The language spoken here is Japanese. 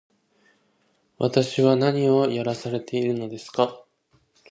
私は何をやらされているのですか